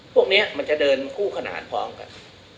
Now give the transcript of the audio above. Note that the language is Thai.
พวกนี้มันจะเดินคู่ขนานพร้อมกัน